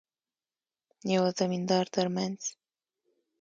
یوه زمیندار ترمنځ.